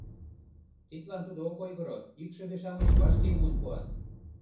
Тидлан тудо ок ойгыро: икшыве-шамыч вашке муын пуат.